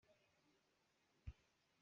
Inn sangpi sak aa tim nain a tlu.